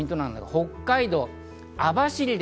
北海道